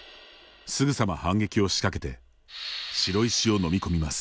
すぐさま反撃をしかけて白石を飲み込みます。